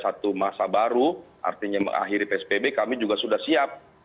satu masa baru artinya mengakhiri psbb kami juga sudah siap